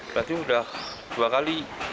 berarti sudah dua kali